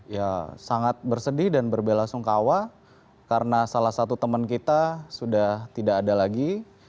ya sangat bersedih dan berbela sungkawa karena salah satu teman kita sudah tidak ada lagi